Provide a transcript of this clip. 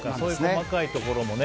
細かいところもね